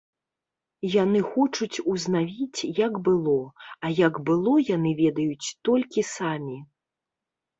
Яны хочуць узнавіць, як было, а як было яны ведаюць толькі самі.